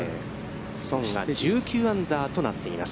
宋が１９アンダーとなっています。